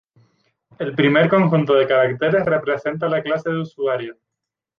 El primer conjunto de caracteres representa la clase de usuario.